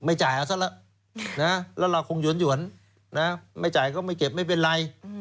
ไม่จ่ายอ่ะซะละเราคงหยวนไม่จ่ายก็ไม่เก็บไม่เป็นไร